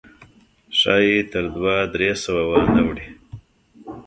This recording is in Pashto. ښایي تر دوه درې سوه وانه وړي.